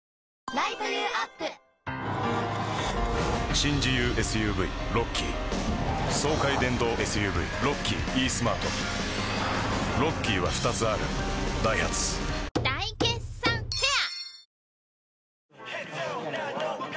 新自由ＳＵＶロッキー爽快電動ＳＵＶロッキーイースマートロッキーは２つあるダイハツ大決算フェア